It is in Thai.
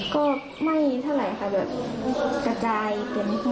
ก็ไม่เท่าไหร่ค่ะแบบกระจายเต็มที่